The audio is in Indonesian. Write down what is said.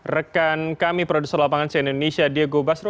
rekan kami produser lapangan cn indonesia diego basro